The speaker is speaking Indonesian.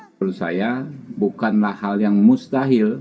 menurut saya bukanlah hal yang mustahil